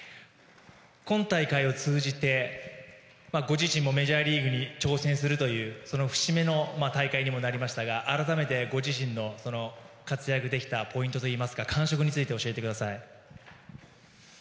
今大会を通じて、ご自身もメジャーリーグに挑戦するというその節目の大会にもなりましたが改めてご自身の活躍できたポイントや感触について教えてください。